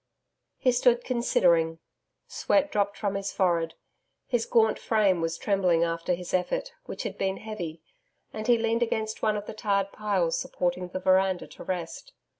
He stood considering. Sweat dropped from his forehead. His gaunt frame was trembling after his effort, which had been heavy, and he leaned against one of the tarred piles supporting the veranda to rest.